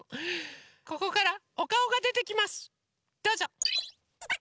ここからおかおがでてきますどうぞ！